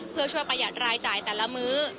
เพื่อช่วยประหยัดรายจ่ายแต่ละมื้อ